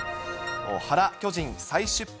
原巨人、再出発。